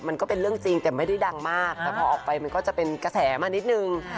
มันก็เป็นเรื่องจริงแต่ไม่ได้ดังมากแต่พอออกไปมันก็จะเป็นกระแสมานิดนึง